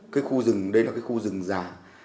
cái khu rừng đây là khu rừng già